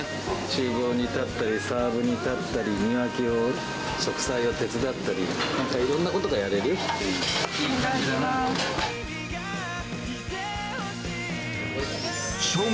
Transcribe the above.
ちゅう房に立ったり、サーブに立ったり、庭木の植栽を手伝ったり、本当いろんなことがやれるっていう。